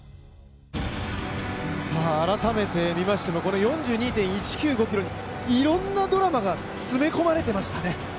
改めてみましても、４２．１９５ｋｍにいろんなドラマが詰め込まれていましたね。